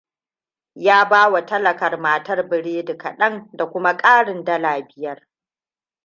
Ya bawa talakar matar biredi kaɗan da kuma ƙarin dala biyar.